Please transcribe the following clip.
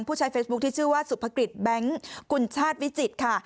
ใช้เฟซบุ๊คที่ชื่อว่าสุภกฤษแบงค์กุญชาติวิจิตรค่ะ